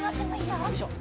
よいしょ！